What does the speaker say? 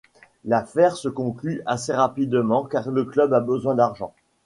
L'affaire se conclut assez rapidement car le club a besoin d'argent.